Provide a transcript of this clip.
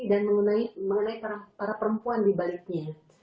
dan mengenai para perempuan di baliknya